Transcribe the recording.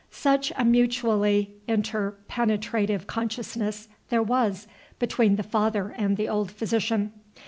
Such a mutually interpenetrative consciousness there was between the father and the old physician.